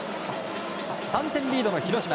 ３点リードの広島。